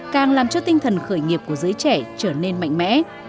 càng làm cho tinh thần khởi nghiệp của giới trẻ trở nên mạnh mẽ